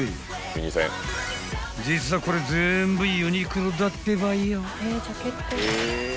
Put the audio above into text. ［実はこれ全部ユニクロだってばよ］